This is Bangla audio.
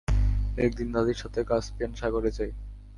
একদিন দাদীর সাথে কাসপিয়ান সাগরে যাই।